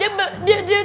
dia berantakin ustadz